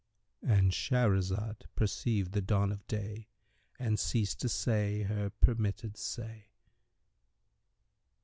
"—And Shahrazad perceived the dawn of day and ceased saying her permitted say.